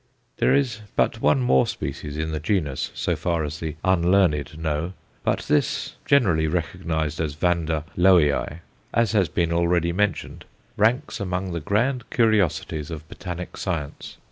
There is but one more species in the genus, so far as the unlearned know, but this, generally recognized as Vanda Lowii, as has been already mentioned, ranks among the grand curiosities of botanic science.